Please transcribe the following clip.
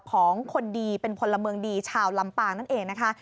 ของคนดีเป็นพลเมืองดีชาวลำปางนั่นเองนะคะ